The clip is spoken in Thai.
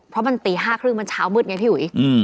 เพราะมันตี๕ครึ่งมันเช้ามืดไงพี่หวี